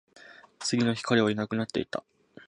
次の日、彼はいなくなっていた